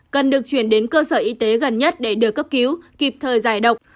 cần được chuyển đến cơ sở y tế gần nhất để được cấp cứu kịp thời giải độc